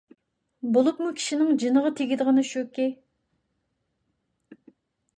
بولۇپمۇ كىشىنىڭ جېنىغا تېگىدىغىنى شۇكى،